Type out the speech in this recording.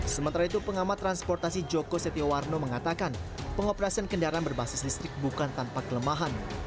sementara itu pengamat transportasi joko setiawarno mengatakan pengoperasian kendaraan berbasis listrik bukan tanpa kelemahan